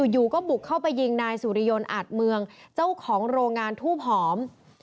อยู่ก็บุกเข้าไปยิงนายสุริยนต์อาจเมืองเจ้าของโรงงานทูบหอม